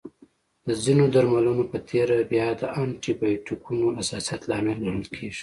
د ځینو درملنو په تېره بیا د انټي بایوټیکونو حساسیت لامل ګڼل کېږي.